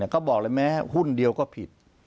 ก็บอกเลยแม้หุ้นเดียวก็ผิด